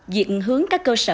viện hướng các cơ sở phát triển